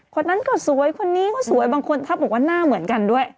คนนั้นก็สวยคนนี้ก็สวยบางคนทับบอกว่าหน้าเหมือนกันด้วย